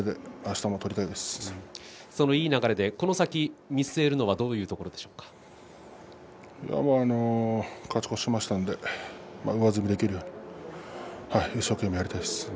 いい流れでこの先見据えるのは勝ち越しましたので上積みできる一生懸命やりたいです。